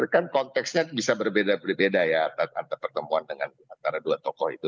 kan konteksnya bisa berbeda berbeda ya antara pertemuan dengan antara dua tokoh itu